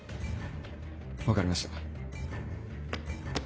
分かりました。